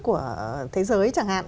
của thế giới chẳng hạn